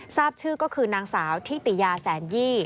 ทราบชื่อก็คือนางสาวทิติยาแสนยี่